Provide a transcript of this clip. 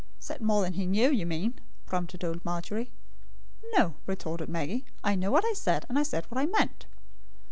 "Said more than he knew, you mean," prompted old Margery. "No," retorted Maggie, "I know what I said; and I said what I meant."